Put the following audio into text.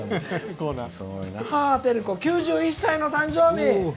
「母てるこ９１歳の誕生日。